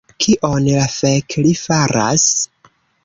Kion la fek li faras?